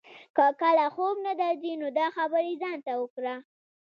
که کله خوب نه درځي نو دا خبرې ځان ته وکړه.